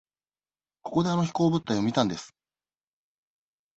ここであの飛行物体を見たんです。